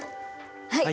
はい。